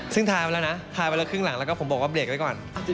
ซึ่งทาไปแล้วนะทายไปแล้วครึ่งหลังแล้วก็ผมบอกว่าเบรกไว้ก่อน